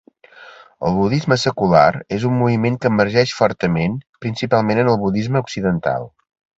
El budisme secular és un moviment que emergeix fortament principalment en el budisme occidental.